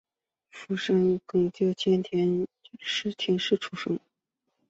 福山町秋田县秋田市出生。